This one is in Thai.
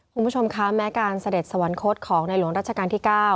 คุณผู้ชมคะแม้การเสด็จสวรรคตของในหลวงรัชกาลที่๙